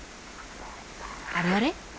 あれあれ？